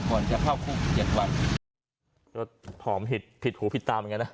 ก่อนจะเข้าคุกเจ็ดวันรถผอมหิดผิดหูผิดตามยังไงนะ